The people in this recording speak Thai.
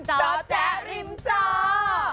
เจาะแจ๊กริ้มเจ้า